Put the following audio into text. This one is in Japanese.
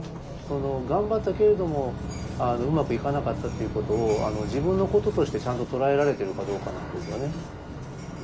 頑張ったけれどもうまくいかなかったっていうことを自分のこととしてちゃんと捉えられてるかどうかなんですよね。